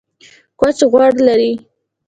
کوچ غوړ لري